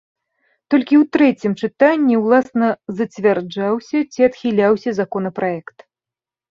Толькі у трэцім чытанні ўласна зацвярджаўся ці адхіляўся законапраект.